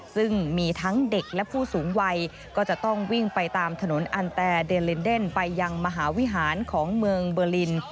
ซึ่งมีทั้งเด็กและผู้สูงวัยก็จะต้องวิ่งไปตามถนนอันแต่เดลินเดนไปยังมหาวิหารของเมืองเบอร์ลิน